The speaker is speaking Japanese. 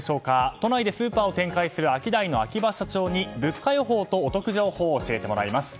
都内でスーパーを展開するアキダイの秋葉社長に物価予報とお得情報を教えてもらいます。